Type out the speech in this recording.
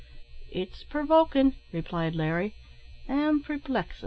"It's purvokin'," replied Larry, "an' preplexin'."